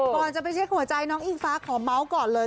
ก่อนจะไปเช็คหัวใจน้องอิงฟ้าขอเมาส์ก่อนเลย